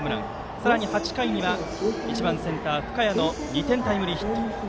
さらに８回には１番センター深谷の２点タイムリーヒット。